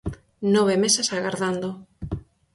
Nove meses agardando.